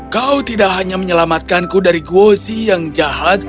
kau tidak hanya menyelamatkanku dari gozi yang jahat